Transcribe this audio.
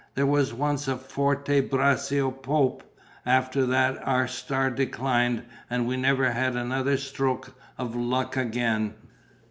There was once a Forte Braccio pope; after that our star declined and we never had another stroke of luck again.